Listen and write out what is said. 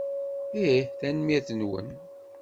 Ih. Tanemmirt-nwent.